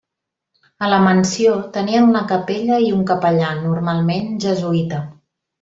A la mansió tenien una capella i un capellà, normalment jesuïta.